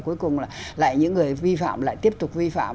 cuối cùng là lại những người vi phạm lại tiếp tục vi phạm